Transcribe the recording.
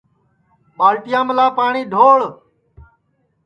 ٻالٹیا میلا پاٹؔی ڈھوڑ